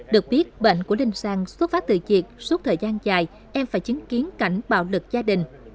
được biết bệnh của đinh sang xuất phát từ việc suốt thời gian dài em phải chứng kiến cảnh bạo lực gia đình